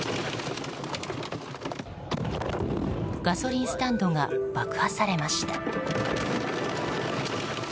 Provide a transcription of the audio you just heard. ガソリンスタンドが爆破されました。